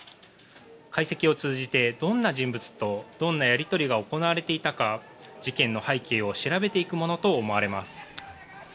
解析を通じてどんな人物とどんなやり取りが行われていたか、事件の背景を調べていくものと思われます。